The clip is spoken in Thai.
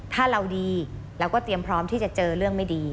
ถ้าเราดีเราก็เตรียมพร้อมที่จะเจอเรื่องไม่ดี